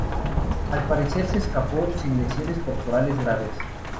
Al parecer, se escapó sin lesiones corporales graves.